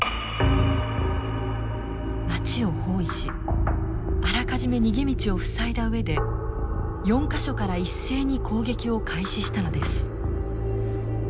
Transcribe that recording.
町を包囲しあらかじめ逃げ道を塞いだ上で４か所から一斉に攻撃を開始したのです。